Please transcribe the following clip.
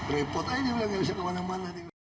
repot aja dia bilang nggak bisa kemana mana